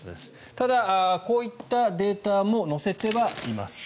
ただ、こういったデータも載せてはいます。